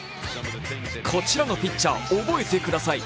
こちらのピッチャー、覚えてください。